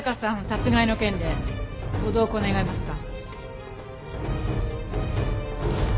殺害の件でご同行願えますか？